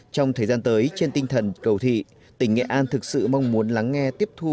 trong thời gian tới trên tinh thần cầu thị tỉnh nghệ an thực sự mong muốn lắng nghe tiếp thu